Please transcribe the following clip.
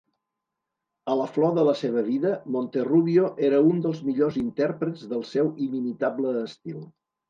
A la flor de la seva vida, Monterrubio era un dels millors intèrprets del seu inimitable estil.